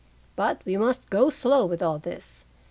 But we must go slow with all this.